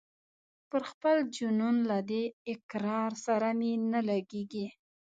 پر خپل جنون له دې اقرار سره مي نه لګیږي